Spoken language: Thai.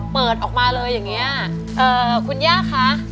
เปิดออกมาเลยอย่างเงี้ยเอ่อคุณย่าคะ